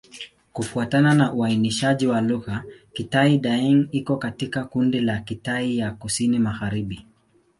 Kufuatana na uainishaji wa lugha, Kitai-Daeng iko katika kundi la Kitai ya Kusini-Magharibi.